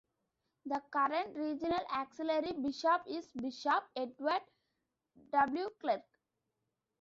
The current regional auxiliary bishop is Bishop Edward W. Clark.